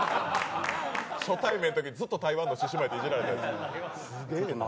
初対面のときずっと台湾の獅子舞でいじられたやつ。